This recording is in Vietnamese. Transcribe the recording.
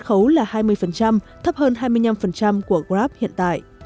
khấu là hai mươi thấp hơn hai mươi năm của grab hiện tại